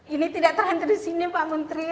ini tidak terhenti di sini pak menteri